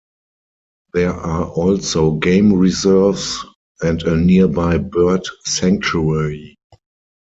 There are also game reserves and a nearby bird sanctuary.